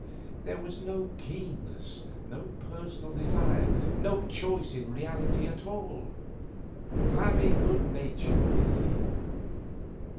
There was no keenness, no personal desire, no choice in reality at all; flabby good nature merely.